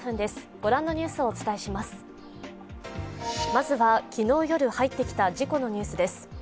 まずは昨日夜入ってきた事故のニュースです。